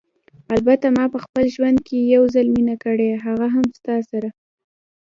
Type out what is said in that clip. البته ما په خپل ژوند کې یو ځل مینه کړې، هغه هم ستا سره.